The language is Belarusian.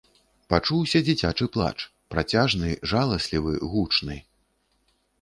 Пачуўся дзіцячы плач, працяжны, жаласлівы, гучны.